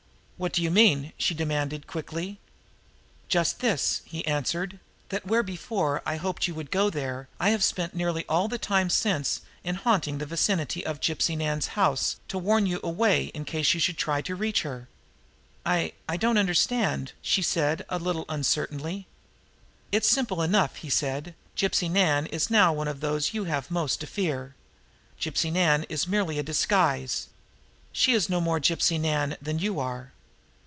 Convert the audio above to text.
"What do you mean?" she demanded quickly. "Just this," he answered. "That where before I hoped you would go there, I have spent nearly all the time since then in haunting the vicinity of Gypsy Nan's house to warn you away in case you should try to reach her." "I I don't understand," she said a little uncertainly. "It is simple enough," he said. "Gypsy Nan is now one of those you have most to fear. Gypsy Nan is merely a disguise. She is no more Gypsy Nan than you are."